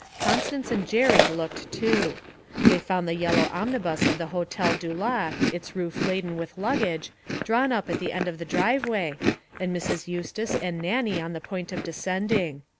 Constance and Jerry looked too. They found the yellow omnibus of the Hotel du Lac, its roof laden with luggage, drawn up at the end of the driveway, and Mrs. Eustace and Nannie on the point of descending.